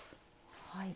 はい。